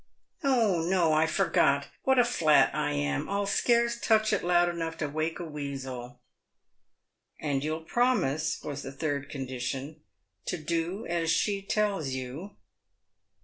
" No ! no ! I forgot. "What a flat I am ! I'll scarce touch it loud enough to wake a weasel." " And you'll promise," was the third condition, " to do as she tells you?'